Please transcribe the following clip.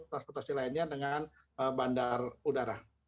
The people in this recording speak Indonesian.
transportasi lainnya dengan bandar udara